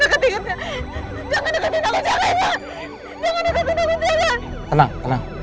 jangan deketin aku jangan tenang tenang